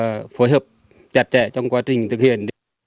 tiếp tục phối hợp chặt chẽ trong quá trình thực hiện